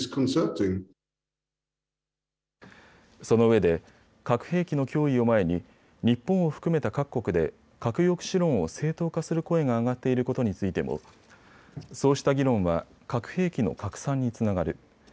そのうえで核兵器の脅威を前に日本を含めた各国で核抑止論を正当化する声が上がっていることについてもそうした議論は核兵器の拡散につながる。